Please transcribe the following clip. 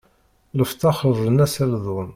Lfeṭṭa xelḍen-as aldun!